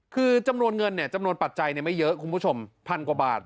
คือจำนวนเงินเนี่ยจำนวนปัจจัยไม่เยอะคุณผู้ชมพันกว่าบาท